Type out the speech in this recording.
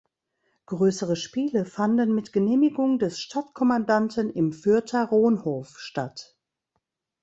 Größere Spiele fanden mit Genehmigung des Stadtkommandanten im Fürther Ronhof statt.